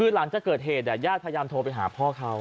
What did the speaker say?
หลังจากเกิดเหตุญาติพยายามโทรไปหาพ่อเขา